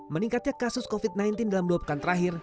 meningkatnya kasus covid sembilan belas dalam dua pekan terakhir